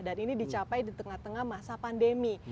dan ini dicapai di tengah tengah masa pandemi